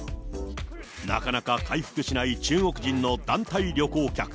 なかなか回復しない中国人の団体旅行客。